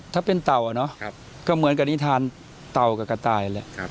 ถ้าเป็นเต่าอะเนาะก็เหมือนกับนิทานเต่ากับกระต่ายแหละ